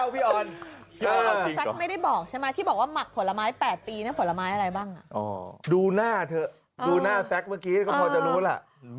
พี่ออนเม้นต์มา